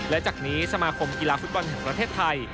และจากนี้สมาคมกีฬาฟุตบอลแห่งประเทศไทย